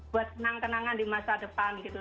buat senang kenangan di masa depan gitu